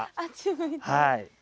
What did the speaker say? はい。